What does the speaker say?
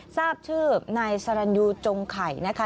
ทราบชื่อนายสรรยูจงไข่นะคะ